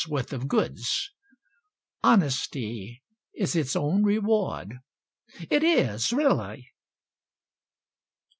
worth of goods. Honesty is its own reward It is really.